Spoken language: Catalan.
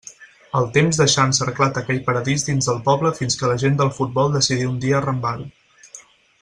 El temps deixà encerclat aquell paradís dins del poble fins que la gent del futbol decidí un dia arrambar-ho.